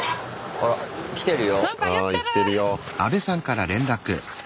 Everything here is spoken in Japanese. あ言ってるよ。